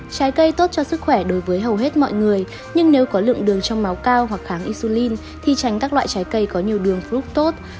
trái cây tốt cho sức khỏe đối với hầu hết mọi người nhưng nếu có lượng đường trong máu cao hoặc kháng isulin thì tránh các loại trái cây có nhiều đường froup tốt